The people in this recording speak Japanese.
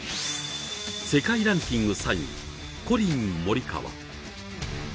世界ランキング３位、コリン・モリカワ。